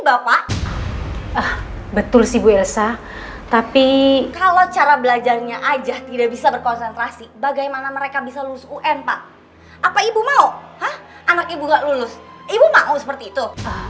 bapak betul sih bu elsa tapi kalau cara belajarnya aja tidak bisa berkonsentrasi bagaimana mereka bisa lulus un pak apa ibu mau hah anak ibu gak lulus ibu mau seperti itu